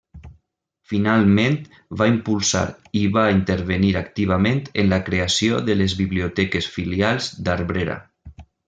Finalment va impulsar i va intervenir activament en la creació de les biblioteques filials d'Abrera.